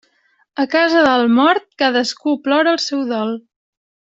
A casa del mort cadascú plora el seu dol.